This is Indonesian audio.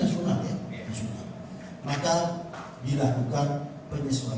karena itu yang mengambil inisiatif pertemuan tadi itu dibaparkan respon publik atas kebijakan